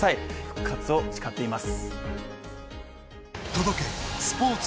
復活を誓っています。